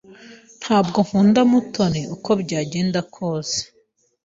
Ntabwo nkunda Mutoni uko byagenda kose.